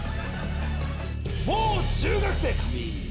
もう中学生か？